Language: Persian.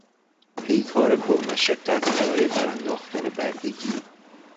پیکار پر مشقت برای برانداختن بردگی